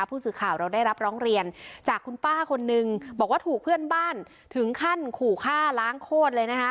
ผู้สื่อข่าวเราได้รับร้องเรียนจากคุณป้าคนนึงบอกว่าถูกเพื่อนบ้านถึงขั้นขู่ฆ่าล้างโคตรเลยนะคะ